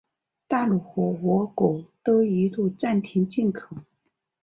大陆和俄国都一度暂停进口。